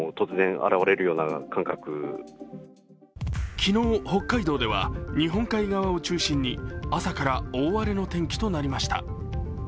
昨日の北海道では、日本海側を中心に朝から大荒れの天気となりました。